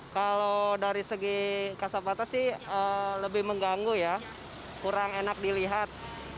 kalau dari segi kasapata sih lebih mengganggu ya kurang enak dilihat